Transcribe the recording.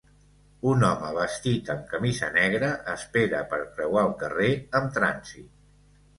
Un home vestit amb camisa negra espera per creuar el carrer amb trànsit.